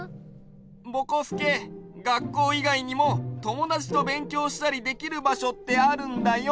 ぼこすけがっこういがいにもともだちとべんきょうしたりできるばしょってあるんだよ。